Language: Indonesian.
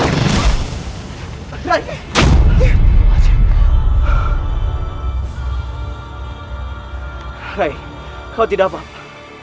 hei kau tidak apa apa